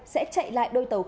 sẽ chạy lại đôi tàu khách